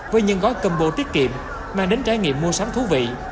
với những gói combo tiết kiệm mang đến trải nghiệm mua sắm thú vị